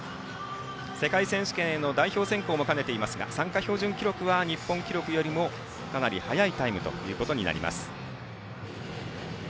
世界選手権への代表選考も兼ねていますが参加標準記録は日本記録よりもかなり速いタイムとなります。